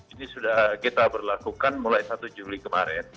ini sudah kita berlakukan mulai satu juli kemarin